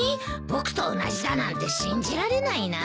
僕と同じだなんて信じられないな。